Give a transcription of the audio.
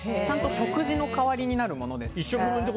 食事の代わりになるものです。